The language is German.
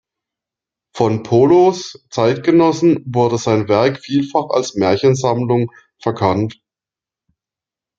Von Polos Zeitgenossen wurde sein Werk vielfach als Märchensammlung verkannt.